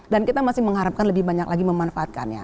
dan kita masih mengharapkan lebih banyak lagi memanfaatkannya